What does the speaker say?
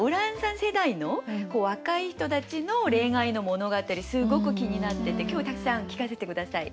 世代の若い人たちの恋愛の物語すごく気になってて今日たくさん聞かせて下さい。